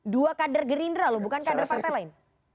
dua kader gerindra loh bukan kader partai lain